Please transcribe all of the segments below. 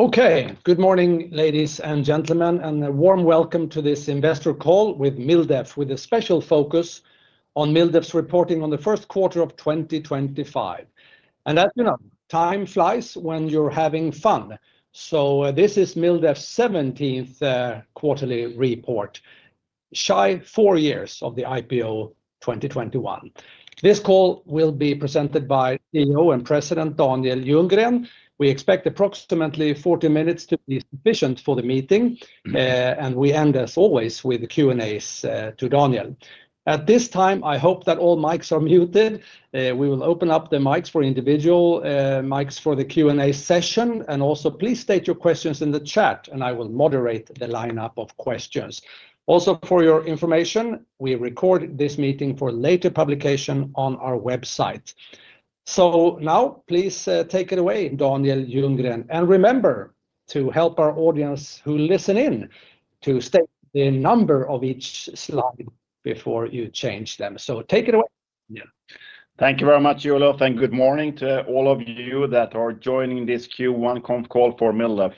Okay, good morning, ladies and gentlemen, and a warm welcome to this investor call with MilDef Group, with a special focus on MilDef's reporting on the first quarter of 2025. As you know, time flies when you're having fun. This is MilDef's 17th Quarterly Report, shy of four years of the IPO 2021. This call will be presented by CEO and President Daniel Ljunggren. We expect approximately 40 minutes to be sufficient for the meeting, and we end, as always, with Q&As to Daniel. At this time, I hope that all mics are muted. We will open up the mics for individual mics for the Q&A session, and also please state your questions in the chat, and I will moderate the lineup of questions. Also, for your information, we record this meeting for later publication on our website. Now, please take it away, Daniel Ljunggren, and remember to help our audience who listen in to state the number of each slide before you change them. Take it away. Thank you very much, Olof, and good morning to all of you that are joining this Q1 conference call for MilDef.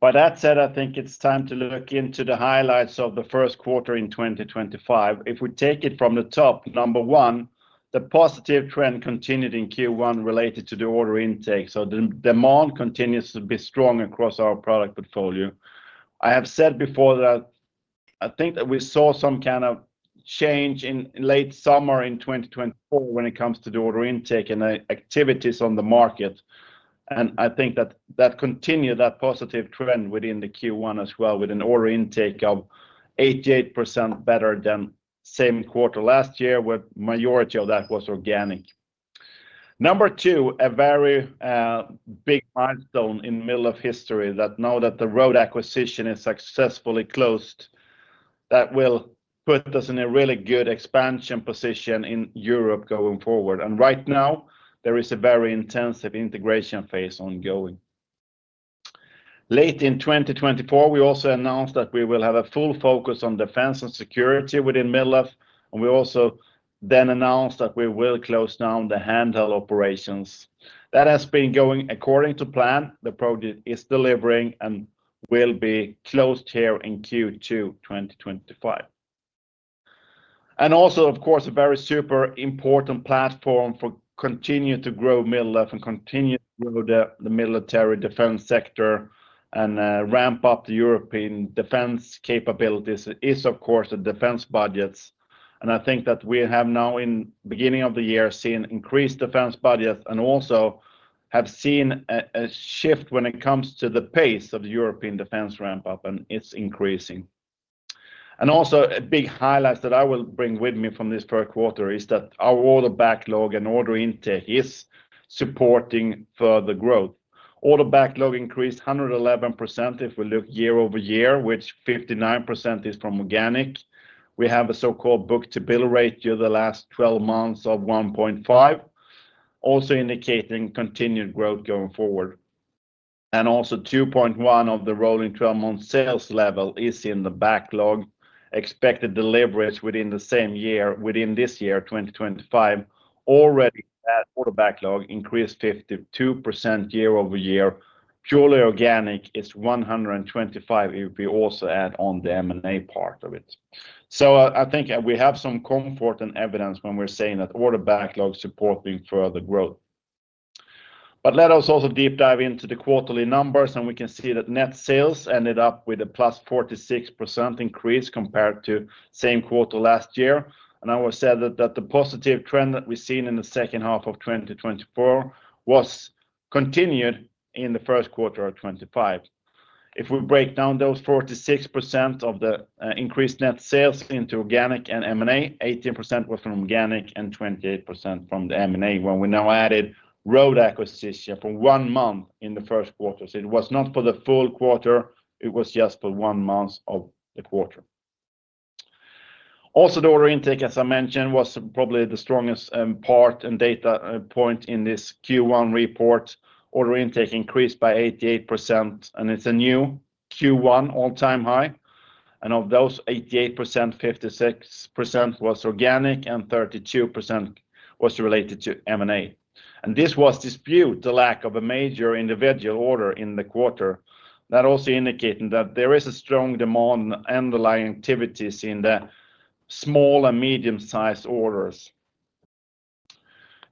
By that said, I think it's time to look into the highlights of the first quarter in 2025. If we take it from the top, number one, the positive trend continued in Q1 related to the order intake. The demand continues to be strong across our product portfolio. I have said before that I think that we saw some kind of change in late summer in 2024 when it comes to the order intake and activities on the market. I think that that continued that positive trend within the Q1 as well, with an order intake of 88% better than same quarter last year, where the majority of that was organic. Number two, a very big milestone in the MilDef history that now that the Roda acquisition is successfully closed, that will put us in a really good expansion position in Europe going forward. Right now, there is a very intensive integration phase ongoing. Late in 2024, we also announced that we will have a full focus on defense and security within MilDef, and we also then announced that we will close down the Handheld operations. That has been going according to plan. The project is delivering and will be closed here in Q2 2025. Also, of course, a very super important platform for continuing to grow MilDef and continue to grow the military defense sector and ramp up the European defense capabilities is, of course, the defense budgets. I think that we have now, in the beginning of the year, seen increased defense budgets and also have seen a shift when it comes to the pace of the European defense ramp-up, and it is increasing. Also, a big highlight that I will bring with me from this third quarter is that our order backlog and order intake is supporting further growth. Order backlog increased 111% if we look year over year, of which 59% is from organic. We have a so-called book-to-bill ratio the last 12 months of 1.5, also indicating continued growth going forward. Also, 2.1 of the rolling 12-month sales level is in the backlog. Expected deliveries within the same year, within this year, 2025, already that order backlog increased 52% year over year. Purely organic is 125 if we also add on the M&A part of it. I think we have some comfort and evidence when we're saying that order backlog is supporting further growth. Let us also deep dive into the quarterly numbers, and we can see that net sales ended up with a plus 46% increase compared to the same quarter last year. I will say that the positive trend that we've seen in the second half of 2024 was continued in the first quarter of 2025. If we break down those 46% of the increased net sales into organic and M&A, 18% was from organic and 28% from the M&A, when we now added Roda acquisition for one month in the first quarter. It was not for the full quarter; it was just for one month of the quarter. Also, the order intake, as I mentioned, was probably the strongest part and data point in this Q1 report. Order intake increased by 88%, and it's a new Q1 all-time high. Of those 88%, 56% was organic and 32% was related to M&A. This was despite the lack of a major individual order in the quarter. That also indicated that there is a strong demand and underlying activities in the small and medium-sized orders.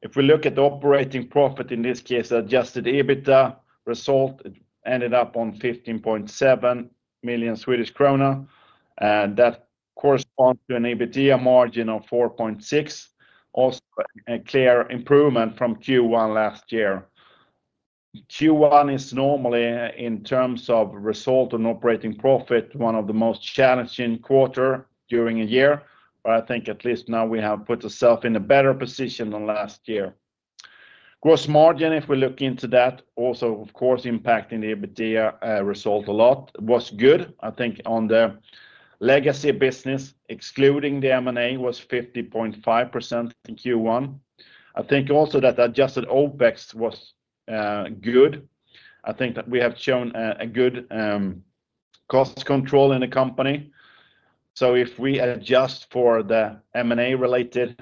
If we look at the operating profit in this case, adjusted EBITDA result ended up on 15.7 million Swedish krona, and that corresponds to an EBITDA margin of 4.6%, also a clear improvement from Q1 last year. Q1 is normally, in terms of result and operating profit, one of the most challenging quarters during a year, but I think at least now we have put ourselves in a better position than last year. Gross margin, if we look into that, also, of course, impacting the EBITDA result a lot, was good. I think on the legacy business, excluding the M&A, was 50.5% in Q1. I think also that adjusted OPEX was good. I think that we have shown a good cost control in the company. If we adjust for the M&A-related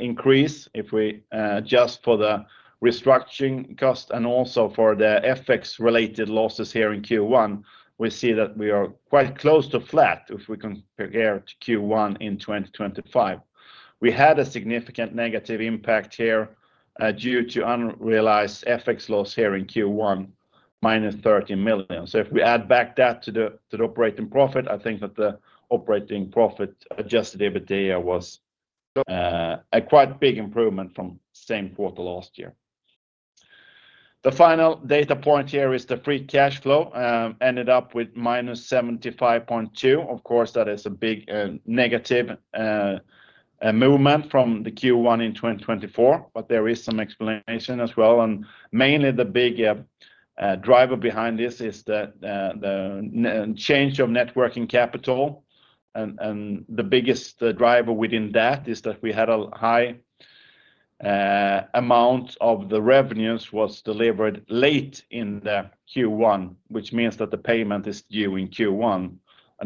increase, if we adjust for the restructuring cost and also for the FX-related losses here in Q1, we see that we are quite close to flat if we compare to Q1 in 2025. We had a significant negative impact here due to unrealized FX loss here in Q1, minus 30 million. If we add back that to the operating profit, I think that the operating profit adjusted EBITDA was a quite big improvement from the same quarter last year. The final data point here is the free cash flow ended up with minus 75.2 million. Of course, that is a big negative movement from the Q1 in 2024, but there is some explanation as well. Mainly the big driver behind this is the change of working capital. The biggest driver within that is that we had a high amount of the revenues that was delivered late in the Q1, which means that the payment is due in Q1.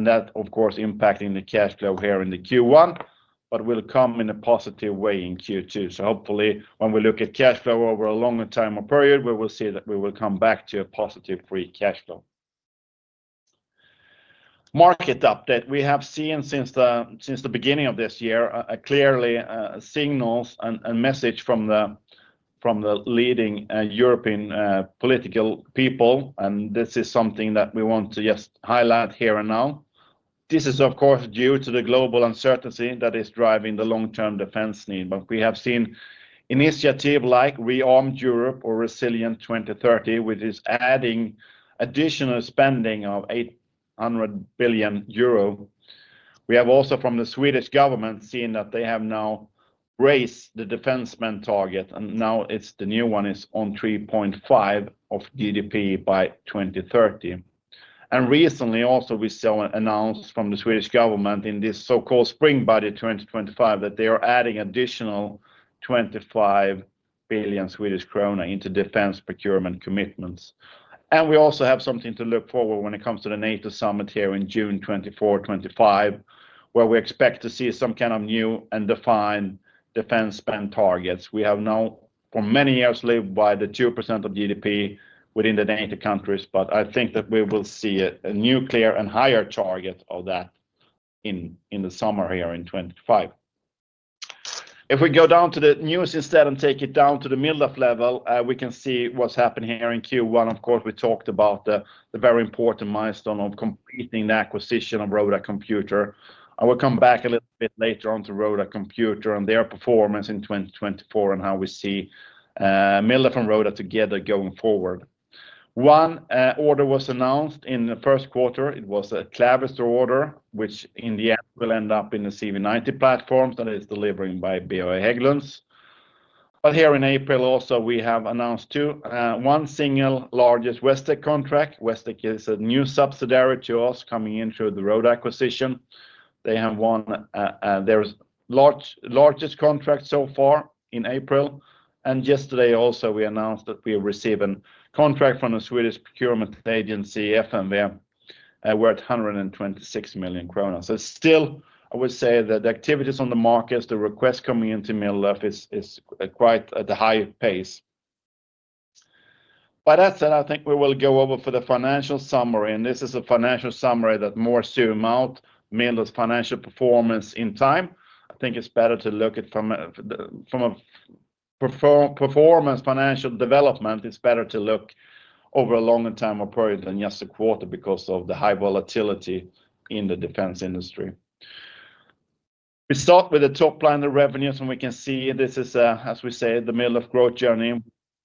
That, of course, is impacting the cash flow here in the Q1, but will come in a positive way in Q2. Hopefully, when we look at cash flow over a longer time period, we will see that we will come back to a positive free cash flow. Market update. We have seen since the beginning of this year clearly signals and messages from the leading European political people, and this is something that we want to just highlight here and now. This is, of course, due to the global uncertainty that is driving the long-term defense need. We have seen initiatives like Rearmed Europe or Resilient 2030, which is adding additional spending of 800 billion euro. We have also, from the Swedish government, seen that they have now raised the defense spending target, and now the new one is on 3.5% of GDP by 2030. Recently, also, we saw an announcement from the Swedish government in this so-called Spring Budget 2025 that they are adding additional 25 billion Swedish krona into defense procurement commitments. We also have something to look forward to when it comes to the NATO summit here in June 24, 2025, where we expect to see some kind of new and defined defense spend targets. We have now, for many years, lived by the 2% of GDP within the NATO countries, but I think that we will see a new clear and higher target of that in the summer here in 2025. If we go down to the news instead and take it down to the MilDef level, we can see what's happened here in Q1. Of course, we talked about the very important milestone of completing the acquisition of Roda Computer. I will come back a little bit later on to Roda Computer and their performance in 2024 and how we see MilDef and Roda together going forward. One order was announced in the first quarter. It was a Clavister order, which in the end will end up in the CV90 platforms that is delivering by BAE Systems Hägglunds. Here in April, also, we have announced one single largest Westek contract. Westek is a new subsidiary to us coming in through the Roda acquisition. They have won their largest contract so far in April. Yesterday, also, we announced that we received a contract from the Swedish procurement agency, FMV. We are at 126 million kronor. Still, I would say that the activities on the markets, the requests coming into MilDef, are quite at a high pace. By that said, I think we will go over for the financial summary. This is a financial summary that more zoom out MilDef's financial performance in time. I think it's better to look at from a performance financial development. It's better to look over a longer time period than just a quarter because of the high volatility in the defense industry. We start with the top line of revenues, and we can see this is, as we say, the MilDef growth journey. We've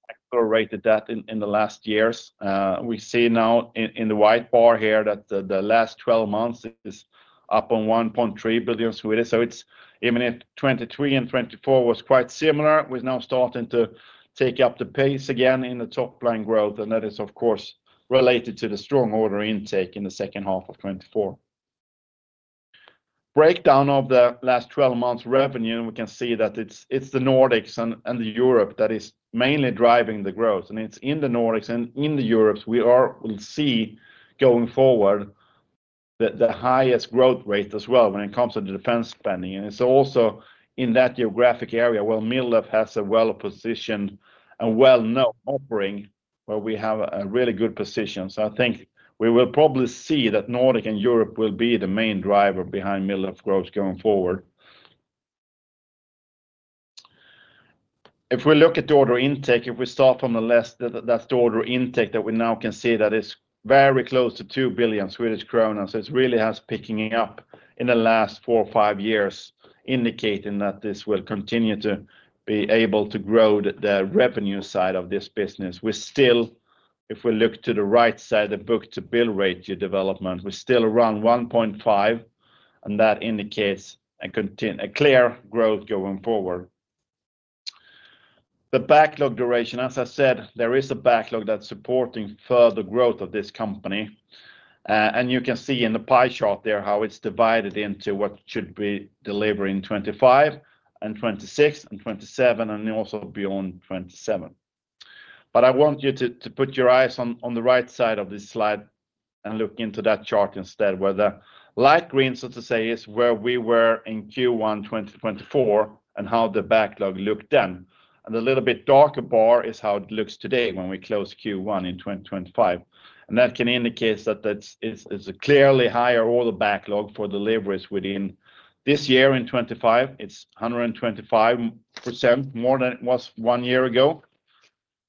accelerated that in the last years. We see now in the white bar here that the last 12 months is up on 1.3 billion. Even if 2023 and 2024 was quite similar, we're now starting to take up the pace again in the top line growth, and that is, of course, related to the strong order intake in the second half of 2024. Breakdown of the last 12 months' revenue, and we can see that it's the Nordics and Europe that is mainly driving the growth. It's in the Nordics and in Europe we will see going forward the highest growth rate as well when it comes to defense spending. It's also in that geographic area where MilDef has a well-positioned and well-known offering where we have a really good position. I think we will probably see that Nordic and Europe will be the main driver behind MilDef growth going forward. If we look at the order intake, if we start from the left, that's the order intake that we now can see that is very close to 2 billion Swedish kronor. It really has picked up in the last four or five years, indicating that this will continue to be able to grow the revenue side of this business. We still, if we look to the right side of the book-to-bill ratio development, we're still around 1.5, and that indicates a clear growth going forward. The backlog duration, as I said, there is a backlog that's supporting further growth of this company. You can see in the pie chart there how it is divided into what should be delivered in 2025 and 2026 and 2027 and also beyond 2027. I want you to put your eyes on the right side of this slide and look into that chart instead, where the light green, so to say, is where we were in Q1 2024 and how the backlog looked then. The little bit darker bar is how it looks today when we close Q1 in 2025. That can indicate that it is a clearly higher order backlog for deliveries within this year in 2025. It is 125% more than it was one year ago.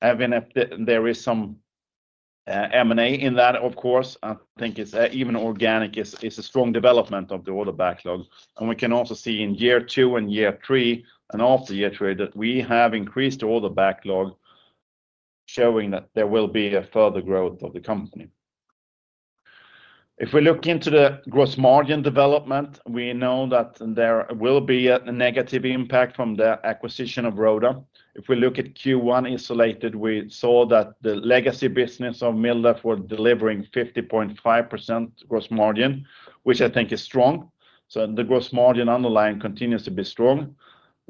There is some M&A in that, of course. I think even organic is a strong development of the order backlog. We can also see in year two and year three and after year three that we have increased the order backlog, showing that there will be a further growth of the company. If we look into the gross margin development, we know that there will be a negative impact from the acquisition of Roda. If we look at Q1 isolated, we saw that the legacy business of MilDef was delivering 50.5% gross margin, which I think is strong. The gross margin underlying continues to be strong,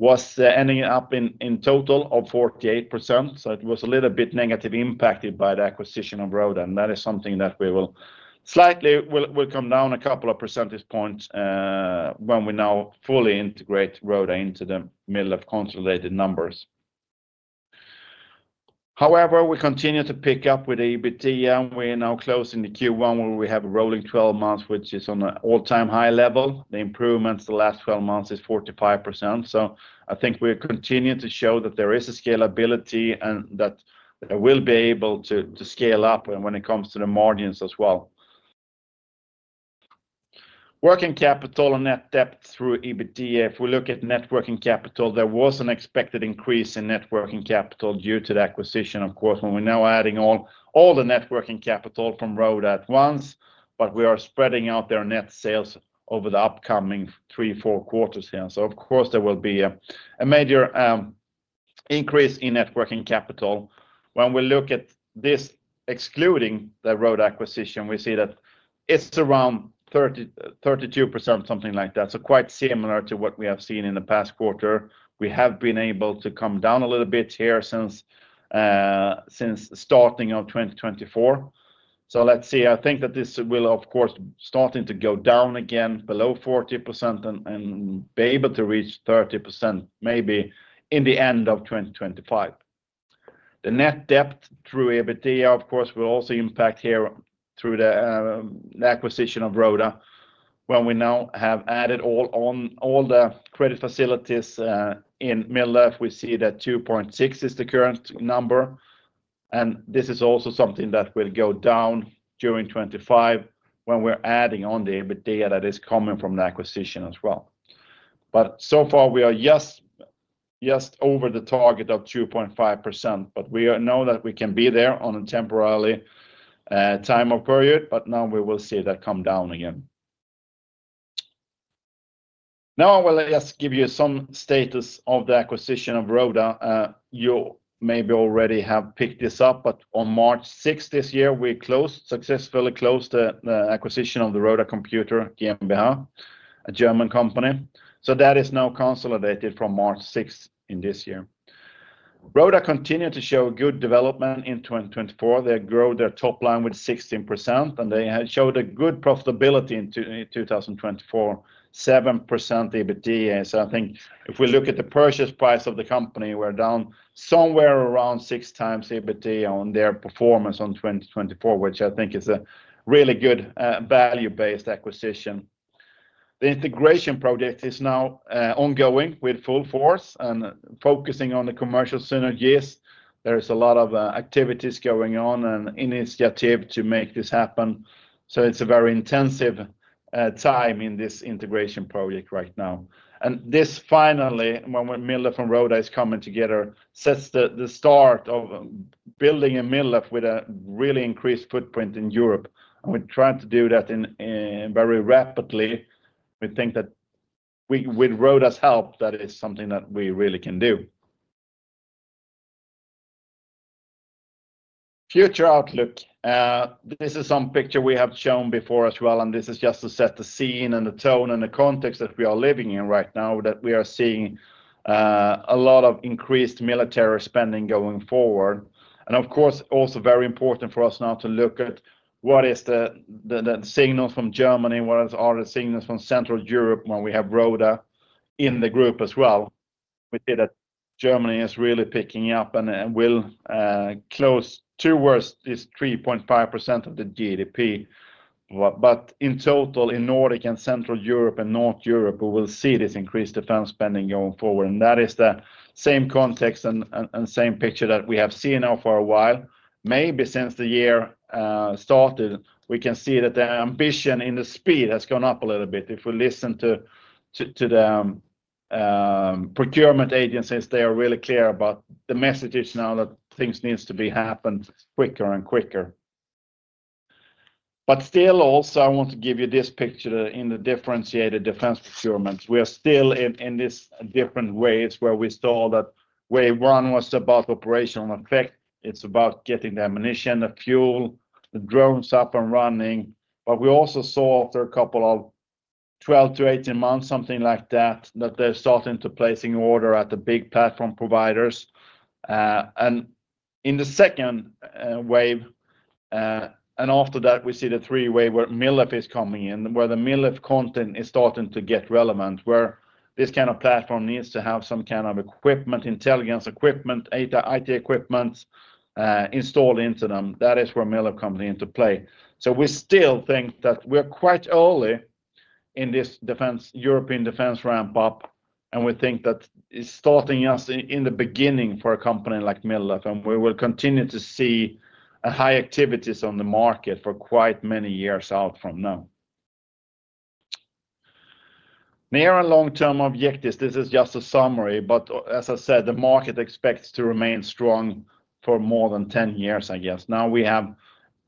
was ending up in total of 48%. It was a little bit negatively impacted by the acquisition of Roda. That is something that will slightly come down a couple of percentage points when we now fully integrate Roda into the MilDef consolidated numbers. However, we continue to pick up with EBITDA. We are now closing the Q1 where we have a rolling 12 months, which is on an all-time high level. The improvements the last 12 months is 45%. I think we continue to show that there is a scalability and that we'll be able to scale up when it comes to the margins as well. Working capital and net debt through EBITDA. If we look at working capital, there was an expected increase in working capital due to the acquisition, of course, when we're now adding all the working capital from Roda at once, but we are spreading out their net sales over the upcoming three, four quarters here. Of course, there will be a major increase in working capital. When we look at this, excluding the Roda acquisition, we see that it's around 32%, something like that. Quite similar to what we have seen in the past quarter. We have been able to come down a little bit here since starting of 2024. Let's see. I think that this will, of course, start to go down again below 40% and be able to reach 30% maybe in the end of 2025. The net debt to EBITDA, of course, will also impact here through the acquisition of Roda. When we now have added all the credit facilities in MilDef, we see that 2.6 is the current number. This is also something that will go down during 2025 when we're adding on the EBITDA that is coming from the acquisition as well. So far, we are just over the target of 2.5%, but we know that we can be there on a temporary time period. Now we will see that come down again. Now, I will just give you some status of the acquisition of Roda. You maybe already have picked this up, but on March 6 this year, we successfully closed the acquisition of the Roda Computer GmbH, a German company. That is now consolidated from March 6 in this year. Roda continued to show good development in 2024. They grow their top line with 16%, and they showed a good profitability in 2024, 7% EBITDA. I think if we look at the purchase price of the company, we're down somewhere around six times EBITDA on their performance in 2024, which I think is a really good value-based acquisition. The integration project is now ongoing with full force and focusing on the commercial synergies. There is a lot of activities going on and initiatives to make this happen. It is a very intensive time in this integration project right now. This finally, when MilDef and Roda is coming together, sets the start of building a MilDef with a really increased footprint in Europe. We are trying to do that very rapidly. We think that with Roda's help, that is something that we really can do. Future outlook. This is some picture we have shown before as well, and this is just to set the scene and the tone and the context that we are living in right now, that we are seeing a lot of increased military spending going forward. Of course, also very important for us now to look at what is the signals from Germany, what are the signals from Central Europe when we have Roda in the group as well. We see that Germany is really picking up and will close towards this 3.5% of the GDP. In total, in Nordic and Central Europe and North Europe, we will see this increased defense spending going forward. That is the same context and same picture that we have seen now for a while. Maybe since the year started, we can see that the ambition in the speed has gone up a little bit. If we listen to the procurement agencies, they are really clear about the message now that things need to be happened quicker and quicker. Still, also, I want to give you this picture in the differentiated defense procurement. We are still in these different ways where we saw that wave one was about operational effect. It's about getting the ammunition, the fuel, the drones up and running. We also saw after a couple of 12 to 18 months, something like that, that they're starting to place in order at the big platform providers. In the second wave, and after that, we see the three wave where MilDef is coming in, where the MilDef content is starting to get relevant, where this kind of platform needs to have some kind of equipment, intelligence equipment, IT equipment installed into them. That is where MilDef comes into play. We still think that we're quite early in this European defense ramp-up, and we think that it's starting us in the beginning for a company like MilDef, and we will continue to see high activities on the market for quite many years out from now. Near and long-term objectives, this is just a summary, but as I said, the market expects to remain strong for more than 10 years, I guess. Now we have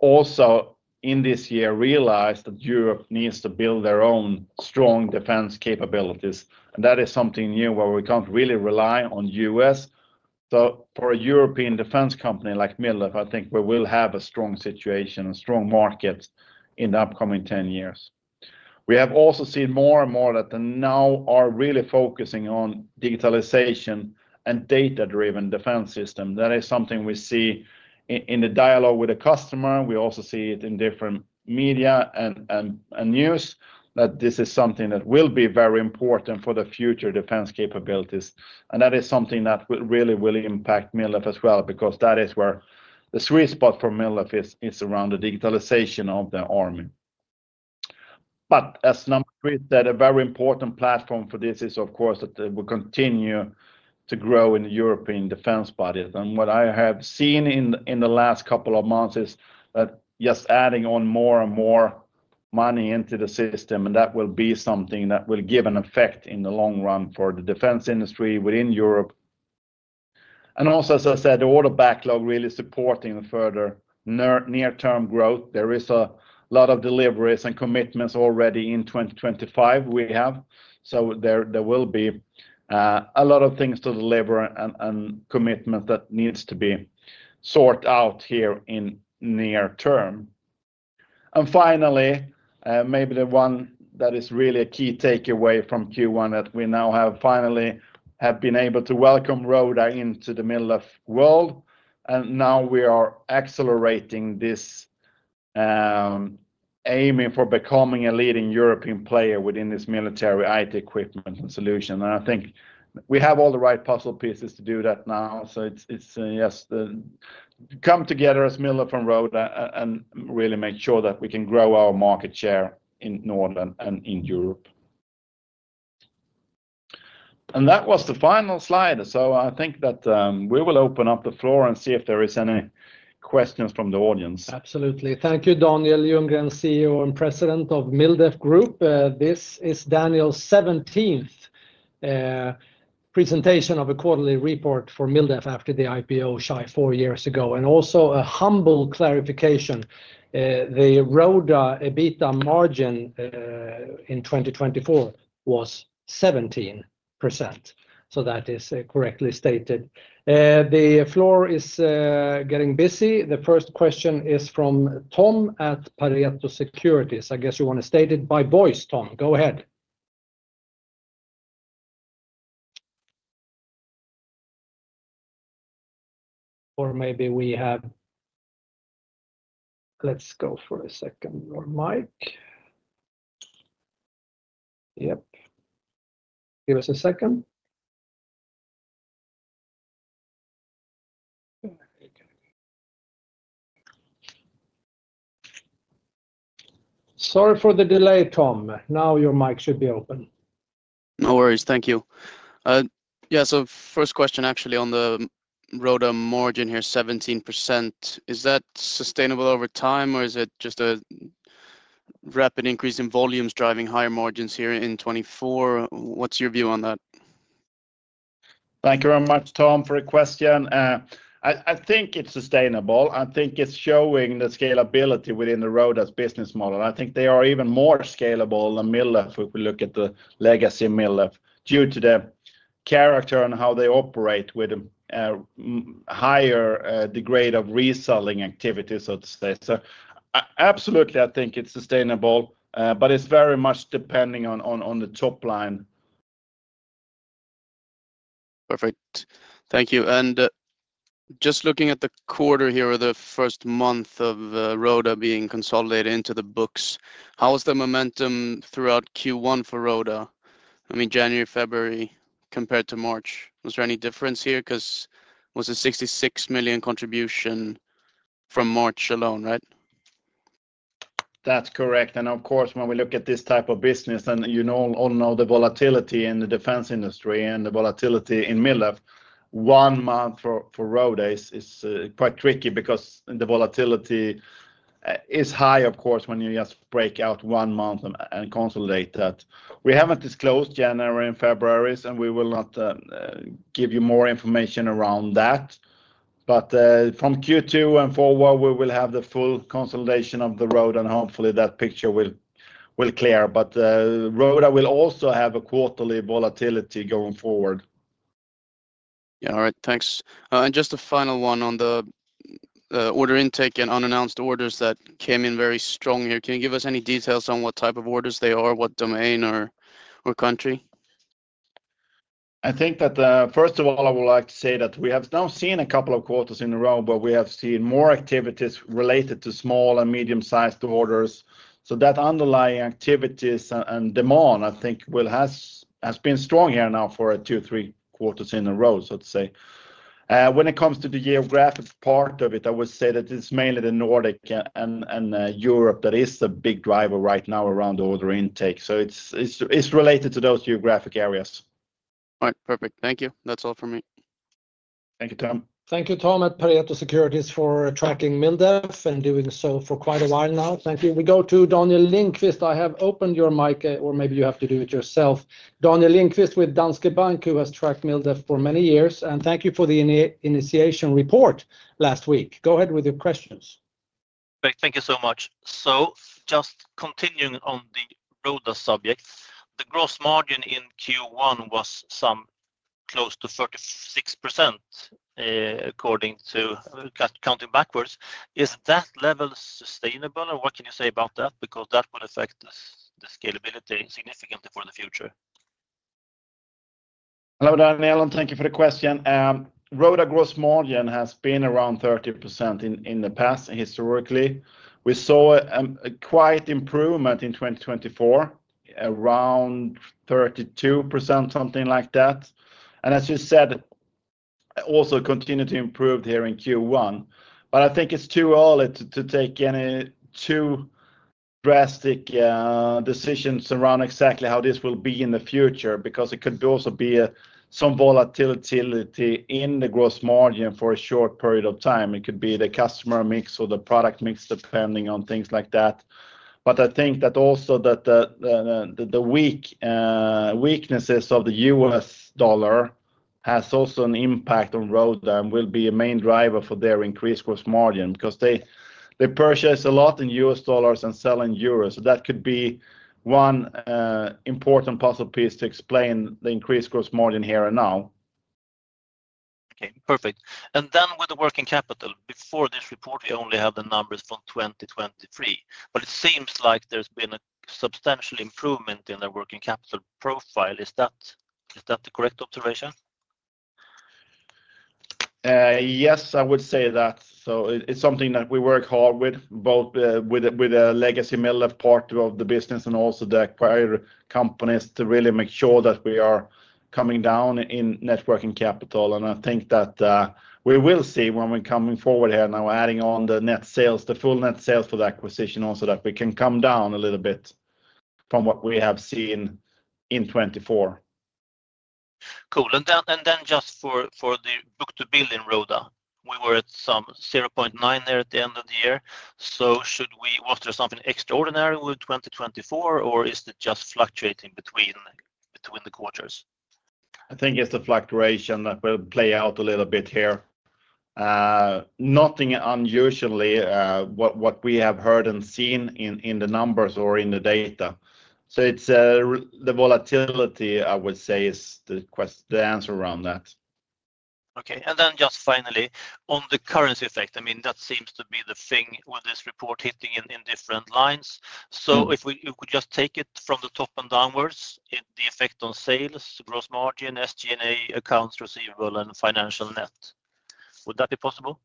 also in this year realized that Europe needs to build their own strong defense capabilities. That is something new where we can't really rely on the U.S. For a European defense company like MilDef, I think we will have a strong situation, a strong market in the upcoming 10 years. We have also seen more and more that now are really focusing on digitalization and data-driven defense systems. That is something we see in the dialogue with the customer. We also see it in different media and news that this is something that will be very important for the future defense capabilities. That is something that really will impact MilDef as well because that is where the sweet spot for MilDef is around the digitalization of the army. As number three said, a very important platform for this is, of course, that we continue to grow in the European defense budget. What I have seen in the last couple of months is just adding on more and more money into the system, and that will be something that will give an effect in the long run for the defense industry within Europe. Also, as I said, the order backlog really supporting the further near-term growth. There is a lot of deliveries and commitments already in 2025 we have. There will be a lot of things to deliver and commitments that need to be sorted out here in near term. Finally, maybe the one that is really a key takeaway from Q1 is that we now have finally been able to welcome Roda into the MilDef world. Now we are accelerating this, aiming for becoming a leading European player within this military IT equipment and solution. I think we have all the right puzzle pieces to do that now. It has just come together as MilDef and Roda and really make sure that we can grow our market share in Northern and in Europe. That was the final slide. I think that we will open up the floor and see if there are any questions from the audience. Absolutely. Thank you, Daniel Ljunggren, CEO and President of MilDef Group. This is Daniel's 17th presentation of a quarterly report for MilDef after the IPO shy four years ago. Also a humble clarification. The Roda EBITDA margin in 2024 was 17%. That is correctly stated. The floor is getting busy. The first question is from Tom at Pareto Securities. I guess you want to state it by voice, Tom. Go ahead. Maybe we have—let's go for a second. Your mic. Yep. Give us a second. Sorry for the delay, Tom. Now your mic should be open. No worries. Thank you. Yeah. First question, actually, on the Roda margin here, 17%. Is that sustainable over time, or is it just a rapid increase in volumes driving higher margins here in 2024? What's your view on that? Thank you very much, Tom, for your question. I think it's sustainable. I think it's showing the scalability within Roda's business model. I think they are even more scalable than MilDef if we look at the legacy MilDef due to their character and how they operate with a higher degree of reselling activity, so to say. Absolutely, I think it's sustainable, but it's very much depending on the top line. Perfect. Thank you. Just looking at the quarter here, the first month of Roda being consolidated into the books, how was the momentum throughout Q1 for Roda? I mean, January, February, compared to March. Was there any difference here? Because it was a 66 million contribution from March alone, right? That's correct. Of course, when we look at this type of business and you all know the volatility in the defense industry and the volatility in MilDef, one month for Roda is quite tricky because the volatility is high, of course, when you just break out one month and consolidate that. We have not disclosed January and February, and we will not give you more information around that. From Q2 and forward, we will have the full consolidation of Roda, and hopefully that picture will clear. Roda will also have a quarterly volatility going forward. Yeah. All right. Thanks. Just a final one on the order intake and unannounced orders that came in very strong here. Can you give us any details on what type of orders they are, what domain or country? I think that, first of all, I would like to say that we have now seen a couple of quarters in a row where we have seen more activities related to small and medium-sized orders. That underlying activities and demand, I think, has been strong here now for two, three quarters in a row, so to say. When it comes to the geographic part of it, I would say that it is mainly the Nordics and Europe that is the big driver right now around order intake. It is related to those geographic areas. All right. Perfect. Thank you. That is all from me. Thank you, Tom. Thank you, Tom at Pareto Securities, for tracking MilDef and doing so for quite a while now. Thank you. We go to Daniel Lindkvist. I have opened your mic, or maybe you have to do it yourself. Daniel Lindkvist with Danske Bank, who has tracked MilDef for many years. Thank you for the initiation report last week. Go ahead with your questions. Thank you so much. Just continuing on the Roda subject, the gross margin in Q1 was some close to 36%, according to counting backwards. Is that level sustainable, or what can you say about that? That will affect the scalability significantly for the future. Hello, Daniel, and thank you for the question. Roda gross margin has been around 30% in the past, historically. We saw a quite improvement in 2024, around 32%, something like that. As you said, also continued to improve here in Q1. I think it's too early to take any too drastic decisions around exactly how this will be in the future because it could also be some volatility in the gross margin for a short period of time. It could be the customer mix or the product mix, depending on things like that. I think that also the weaknesses of the U.S. dollar have also an impact on Roda and will be a main driver for their increased gross margin because they purchase a lot in U.S. dollars and sell in euros. That could be one important puzzle piece to explain the increased gross margin here and now. Okay. Perfect. With the working capital, before this report, we only had the numbers from 2023. It seems like there's been a substantial improvement in the working capital profile. Is that the correct observation? Yes, I would say that. It is something that we work hard with, both with the legacy MilDef part of the business and also the acquired companies to really make sure that we are coming down in working capital. I think that we will see when we are coming forward here now, adding on the net sales, the full net sales for the acquisition also, that we can come down a little bit from what we have seen in 2024. Cool. Just for the book-to-bill in Roda, we were at some 0.9 there at the end of the year. Was there something extraordinary with 2024, or is it just fluctuating between the quarters? I think it is the fluctuation that will play out a little bit here. Nothing unusual in what we have heard and seen in the numbers or in the data. It is the volatility, I would say, is the answer around that. Okay. I mean, just finally, on the currency effect, that seems to be the thing with this report hitting in different lines. If we could just take it from the top and downwards, the effect on sales, gross margin, SG&A, accounts receivable, and financial net. Would that be possible?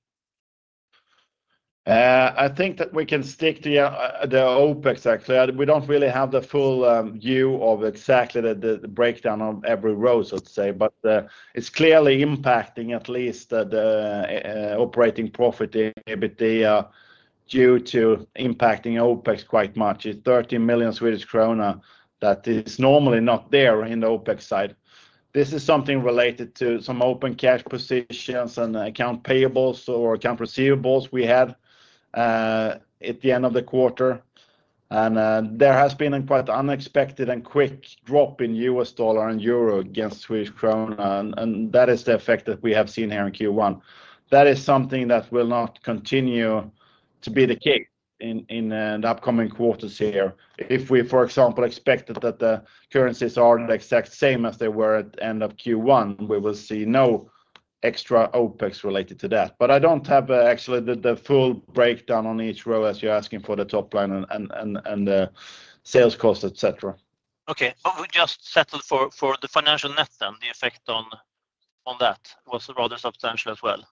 I think that we can stick to the OpEx, actually. We do not really have the full view of exactly the breakdown on every row, so to say. It is clearly impacting at least the operating profitability due to impacting OpEx quite much. It is 30 million Swedish krona that is normally not there on the OpEx side. This is something related to some open cash positions and account payables or accounts receivables we had at the end of the quarter. There has been a quite unexpected and quick drop in U.S. dollar and euro against Swedish Krona. That is the effect that we have seen here in Q1. That is something that will not continue to be the case in the upcoming quarters here. If we, for example, expected that the currencies are the exact same as they were at the end of Q1, we will see no extra OPEX related to that. I do not have actually the full breakdown on each row as you are asking for the top line and the sales cost, etc. Okay. We just settled for the financial net then, the effect on that. Was rather substantial as well.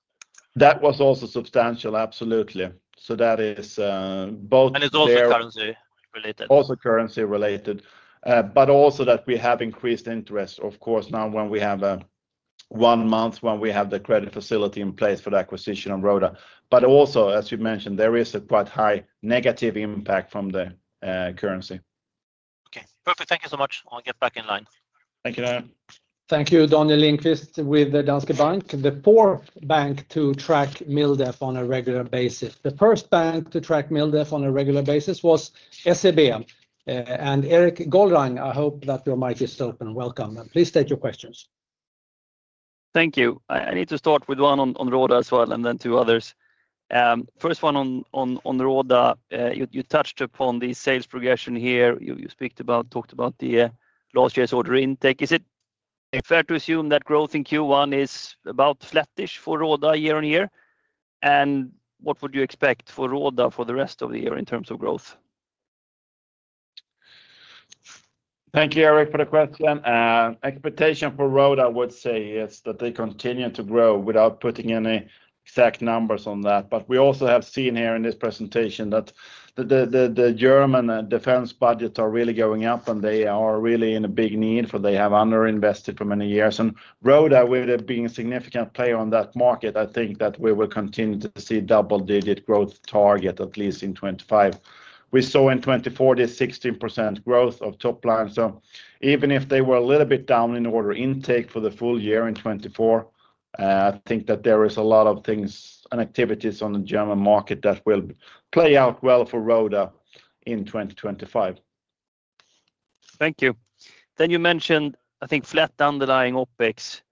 That was also substantial, absolutely. That is both. It is also currency related. Also currency related. But also that we have increased interest, of course, now when we have one month when we have the credit facility in place for the acquisition of Roda. Also, as you mentioned, there is a quite high negative impact from the currency. Okay. Perfect. Thank you so much. I'll get back in line. Thank you, Daniel. Thank you, Daniel Lindkvist with Danske Bank, the fourth bank to track MilDef on a regular basis. The first bank to track MilDef on a regular basis was SEB Markets. And Erik Golrang, I hope that your mic is open. Welcome. Please state your questions. Thank you. I need to start with one on Roda as well and then two others. First one on Roda, you touched upon the sales progression here. You talked about the last year's order intake. Is it fair to assume that growth in Q1 is about flattish for Roda year on year? What would you expect for Roda for the rest of the year in terms of growth? Thank you, Erik, for the question. Expectation for Roda, I would say, is that they continue to grow without putting any exact numbers on that. We also have seen here in this presentation that the German defense budgets are really going up, and they are really in a big need for they have underinvested for many years. Roda, with being a significant player on that market, I think that we will continue to see double-digit growth target, at least in 2025. We saw in 2024 this 16% growth of top line. Even if they were a little bit down in order intake for the full year in 2024, I think that there are a lot of things and activities on the German market that will play out well for Roda in 2025. Thank you. You mentioned, I think, flat underlying OPEX,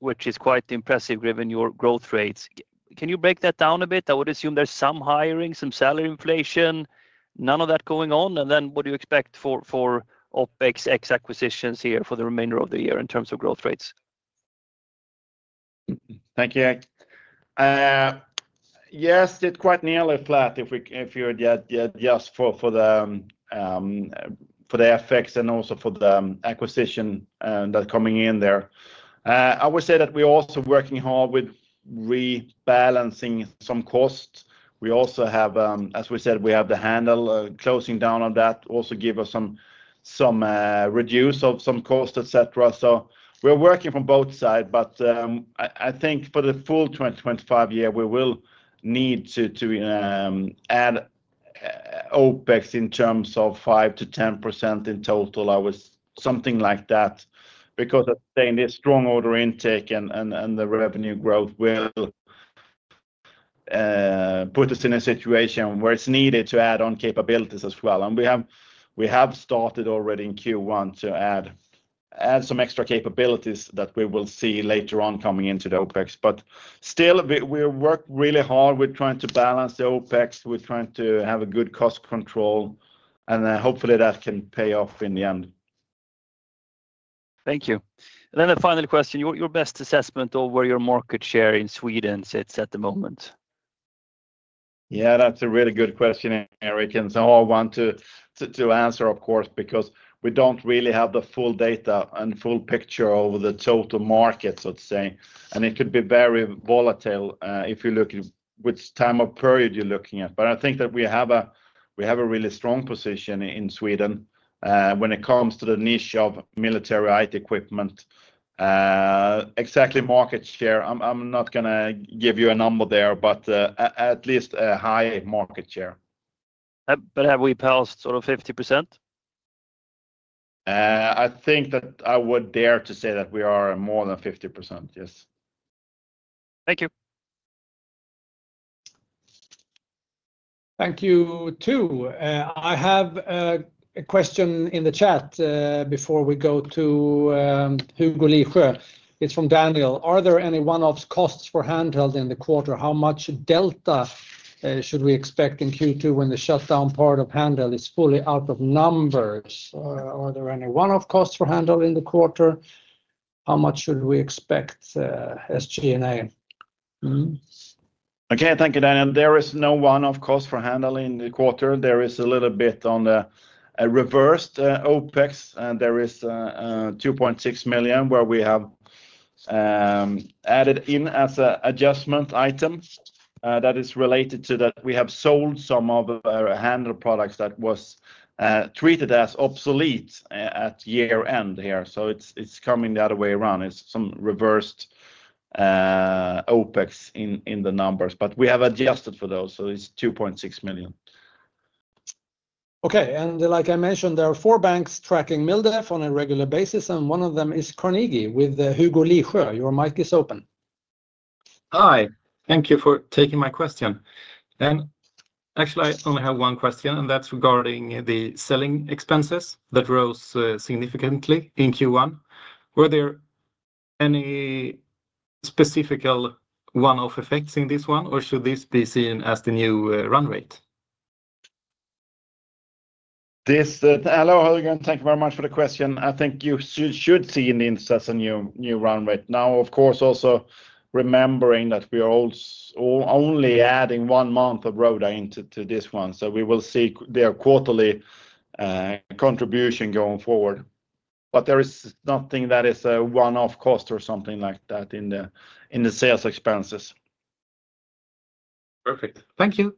which is quite impressive given your growth rates. Can you break that down a bit? I would assume there is some hiring, some salary inflation, none of that going on. What do you expect for OPEX ex-acquisitions here for the remainder of the year in terms of growth rates? Thank you. Yes, it is quite nearly flat if you adjust for the FX and also for the acquisition that is coming in there. I would say that we are also working hard with rebalancing some costs. We also have, as we said, we have the handheld closing down on that, also give us some reduce of some costs, etc. We are working from both sides. I think for the full 2025 year, we will need to add OpEx in terms of 5%-10% in total, I would something like that. Because I am saying this strong order intake and the revenue growth will put us in a situation where it is needed to add on capabilities as well. We have started already in Q1 to add some extra capabilities that we will see later on coming into the OpEx. Still, we work really hard. We are trying to balance the OpEx. We are trying to have a good cost control. Hopefully, that can pay off in the end. Thank you. A final question. Your best assessment of where your market share in Sweden sits at the moment? Yeah, that's a really good question, Erik. I want to answer, of course, because we don't really have the full data and full picture over the total market, so to say. It could be very volatile if you look at which time of period you're looking at. I think that we have a really strong position in Sweden when it comes to the niche of military-IT equipment. Exactly market share, I'm not going to give you a number there, but at least a high market share. Have we passed sort of 50%? I think that I would dare to say that we are more than 50%, yes. Thank you. Thank you too. I have a question in the chat before we go to Hugo Olofsson. It's from Daniel. Are there any one-off costs for handheld in the quarter? How much delta should we expect in Q2 when the shutdown part of handheld is fully out of numbers? Are there any one-off costs for handheld in the quarter? How much should we expect SG&A? Okay. Thank you, Daniel. There is no one-off cost for handheld in the quarter. There is a little bit on the reversed OPEX. There is 2.6 million where we have added in as an adjustment item that is related to that we have sold some of our handheld products that was treated as obsolete at year-end here. It is coming the other way around. It is some reversed OPEX in the numbers. We have adjusted for those. It is 2.6 million. Okay. Like I mentioned, there are four banks tracking MilDef on a regular basis. One of them is Carnegie with Hugo Ljungqvist. Your mic is open. Hi. Thank you for taking my question. And actually, I only have one question. And that's regarding the selling expenses that rose significantly in Q1. Were there any specific one-off effects in this one, or should this be seen as the new run rate? Hello, Hugo Ljungqvist. Thank you very much for the question. I think you should see in the instance a new run rate. Now, of course, also remembering that we are only adding one month of Roda into this one. We will see their quarterly contribution going forward. There is nothing that is a one-off cost or something like that in the sales expenses. Perfect. Thank you.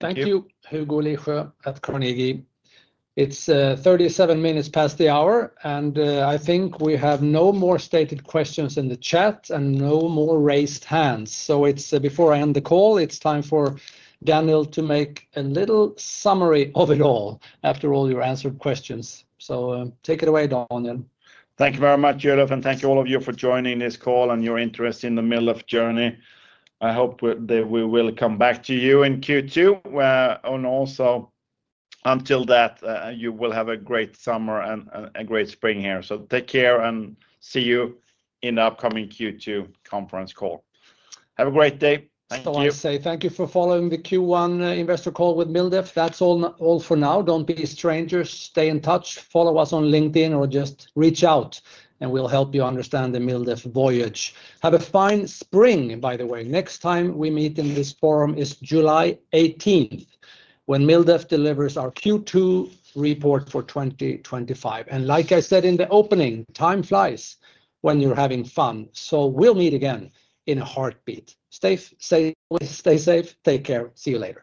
Thank you, Hugo Olofsson at Carnegie. It's 37 minutes past the hour. I think we have no more stated questions in the chat and no more raised hands. Before I end the call, it's time for Daniel to make a little summary of it all after all your answered questions. Take it away, Daniel. Thank you very much, Olof Engvall. And thank you all of you for joining this call and your interest in the MilDef journey. I hope that we will come back to you in Q2. Also, until that, you will have a great summer and a great spring here. Take care and see you in the upcoming Q2 conference call. Have a great day. Thank you. I want to say thank you for following the Q1 investor call with MilDef. That's all for now. Don't be strangers. Stay in touch. Follow us on LinkedIn or just reach out, and we'll help you understand the MilDef voyage. Have a fine spring, by the way. Next time we meet in this forum is July 18th when MilDef delivers our Q2 report for 2025. Like I said in the opening, time flies when you're having fun. We will meet again in a heartbeat. Stay safe. Take care. See you later.